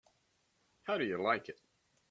How do you like it?